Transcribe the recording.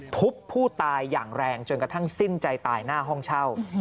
ทุบผู้ตายอย่างแรงจนกระทั่งสิ้นใจตายหน้าห้องเช่า